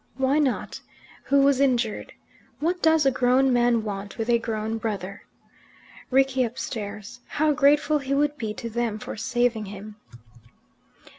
Why not? Who was injured? What does a grown up man want with a grown brother? Rickie upstairs, how grateful he would be to them for saving him.